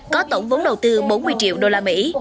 có tổng vốn đầu tư bốn mươi triệu usd